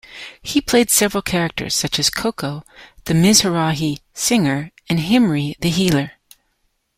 He played several characters such as Coco the Mizrahi singer, and Himri the healer.